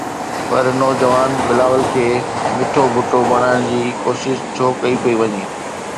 پر نوجوان بلاول کي مٺو ڀٽو بنائڻ جي ڪوشش ڇو ڪئي پئي وڃي؟